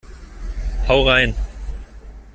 Hau rein!